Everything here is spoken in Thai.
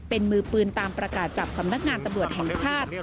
เป็นมือปืนตามประกาศจับสำนักงานตำรวจแห่งชาติ